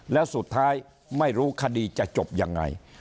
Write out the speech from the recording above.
แล้วสุดท้ายไม่รู้คดีจะจบยังไง